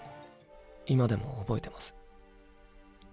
「今でも覚えてます」。